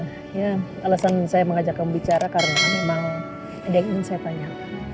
ya alasan saya mengajak kamu bicara karena memang ada yang ingin saya tanya